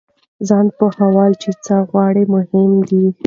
ځان پوهول چې څه غواړئ مهم دی.